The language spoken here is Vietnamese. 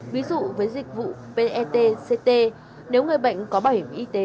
ví dụ với dịch vụ pet ct nếu người bệnh có bảo hiểm y tế